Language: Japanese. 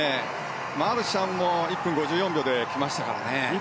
マルシャンも１分５４秒できましたからね。